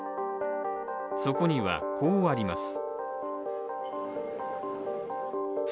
そこには、こうあります。